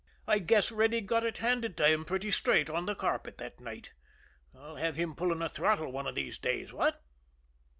I guess Reddy got it handed to him pretty straight on the carpet that night. I'll have him pulling a throttle one of these days what?"